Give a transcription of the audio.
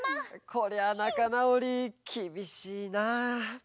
こりゃなかなおりきびしいなあ。